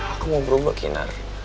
aku mau berubah kinar